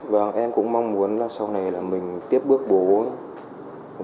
vâng em cũng mong muốn là sau này là mình tiếp bước bố